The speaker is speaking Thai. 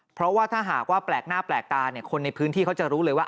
เพราะว่าถ้าหากว่าแปลกหน้าแปลกตาเนี่ยคนในพื้นที่เขาจะรู้เลยว่า